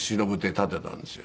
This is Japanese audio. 建てたんですよ。